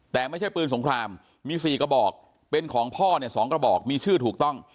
แต่ไม่ใช่ปืนสงครามมี๔กระบอกเป็นของพ่อเนี่ย๒กระบอกมีชื่อถูกต้อง